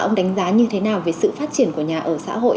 ông đánh giá như thế nào về sự phát triển của nhà ở xã hội